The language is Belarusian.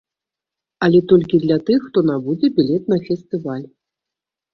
Але толькі для тых, хто набудзе білет на фестываль.